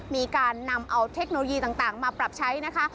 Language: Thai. มีการนำเอาเทคโนโลยีต่างมาปรับใช้นะคะ